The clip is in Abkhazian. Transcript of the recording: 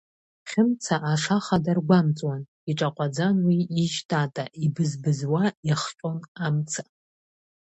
Хьымца ашаха даргәамҵуан, иаҿаҟәаӡан уи ижь-тата, ибызбызуа, иахҟьон амца.